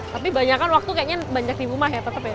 tapi banyak kan waktu kayaknya banyak di rumah ya tetap ya